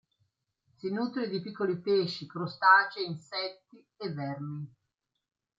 Si nutre di piccoli pesci, crostacei, insetti e vermi.